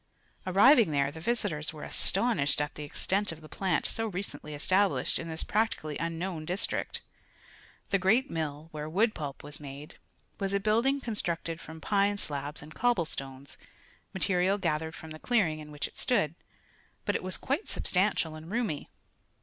Arriving there, the visitors were astonished at the extent of the plant so recently established in this practically unknown district. The great mill, where the wood pulp was made, was a building constructed from pine slabs and cobblestones, material gathered from the clearing in which it stood, but it was quite substantial and roomy.